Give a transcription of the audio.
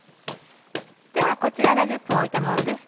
ではこちらが１０分おいたものです。